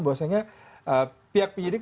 bahwasanya pihak penyidik